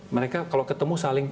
mereka kalau ketemu saling